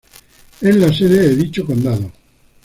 Es la sede de dicho condado.